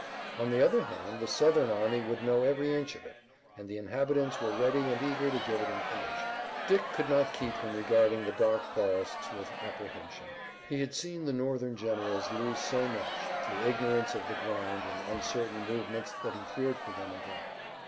On the other hand the Southern army would know every inch of it, and the inhabitants were ready and eager to give it information. Dick could not keep from regarding the dark forests with apprehension. He had seen the Northern generals lose so much through ignorance of the ground and uncertain movements that he feared for them again.